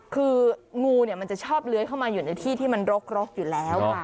คืองูมันจะชอบเลื้อยเข้ามาอยู่ในที่ที่มันรกอยู่แล้วค่ะ